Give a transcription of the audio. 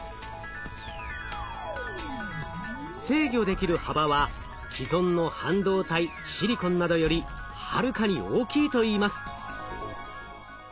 制御できる幅は既存の半導体シリコンなどよりはるかに大きいといいます。